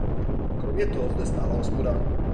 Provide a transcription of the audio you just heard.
Kromě toho zde stála hospoda.